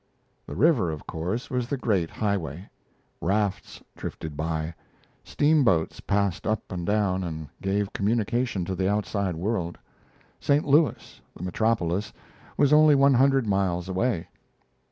The river, of course, was the great highway. Rafts drifted by; steamboats passed up and down and gave communication to the outside world; St. Louis, the metropolis, was only one hundred miles away.